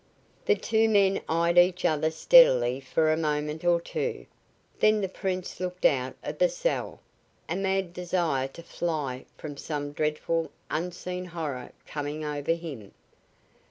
The two men eyed each other steadily for a moment or two. Then the Prince looked out of the cell, a mad desire to fly from some dreadful, unseen horror coming over him.